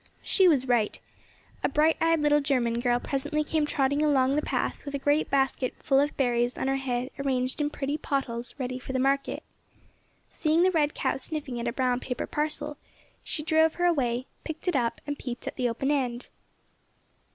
She was right. A bright eyed little German girl presently came trotting along the path with a great basket full of berries on her head arranged in pretty pottles ready for the market. Seeing the red cow sniffing at a brown paper parcel she drove her away, picked it up and peeped in at the open end.